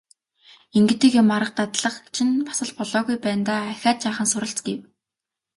Ингэдэг юм, арга дадлага чинь бас л болоогүй байна даа, ахиад жаахан суралц гэв.